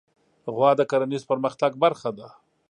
غوا د کرهڼیز پرمختګ برخه ده.